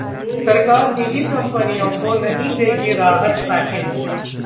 सरकार निजी कंपनियों को नहीं देगी राहत पैकेज